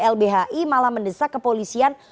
lbhi malah mendesak kepolisian